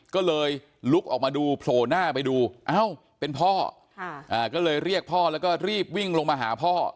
ก็เลยลุกออกมาดูโผล่หน้าไปดูเอ้าเป็นพ่อก็เลยเรียกพ่อแล้วก็รีบวิ่งลงมาหาพ่อ